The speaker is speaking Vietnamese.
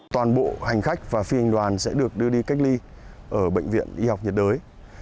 toàn bộ hành khách và phi hành đoàn sẽ được đưa đi cách ly ở bệnh viện y học nhiệt đới